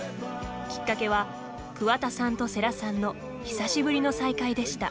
きっかけは桑田さんと世良さんの久しぶりの再会でした。